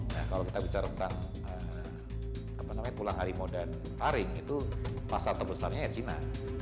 nah kalau kita bicara tentang pulang harimau dan taring itu pasar terbesarnya ya cina